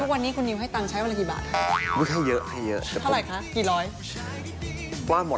ทุกวันนี้คุณนิวให้ตังใช้วันอะไรกี่บาทครับ